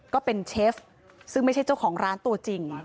ก็เป็นเชฟซึ่งไม่ใช่เจ้าของร้านตัวจริง